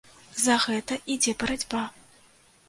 За гэта ідзе барацьба.